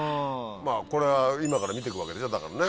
まぁこれは今から見て行くわけでしょだからね。